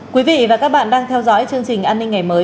quý vị và các bạn đang theo dõi chương trình an ninh ngày mới